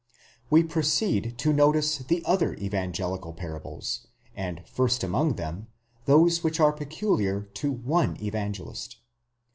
° We proceed to notice the other evangelical parables,!! and first among them, those which are peculiar to one Evangelist.